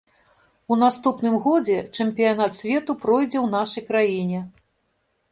У наступным годзе чэмпіянат свету пройдзе ў нашай краіне.